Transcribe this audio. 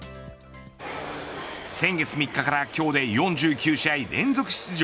先月３日から今日で４９試合連続出場。